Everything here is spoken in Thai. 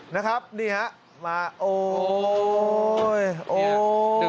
นะครับนี่ฮะโอ้โฮ